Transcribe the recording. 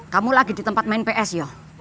kamu lagi di tempat main ps yoh